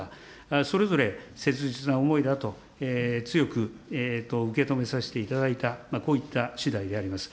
それぞれ切実な思いだと強く受け止めさせていただいた、こういったしだいであります。